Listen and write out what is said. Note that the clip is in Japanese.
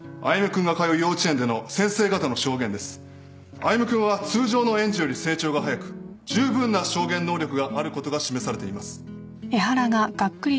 歩君は通常の園児より成長が早くじゅうぶんな証言能力があることが示されています。